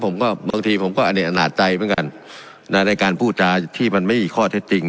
บางทีผมก็อเนตอนาจใจเหมือนกันนะในการพูดจาที่มันไม่มีข้อเท็จจริง